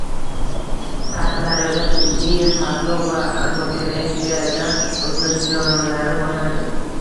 Qashqadaryoda tibbiy xatlov va antropometriyadan o‘tkazish jarayonlari boshlandi